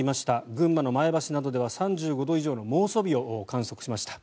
群馬の前橋などでは３５度以上の猛暑日を観測しました。